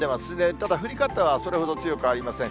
ただ、降り方はそれほど強くありません。